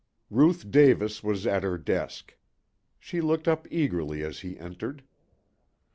16 Ruth Davis was at her desk. She looked up eagerly as he entered.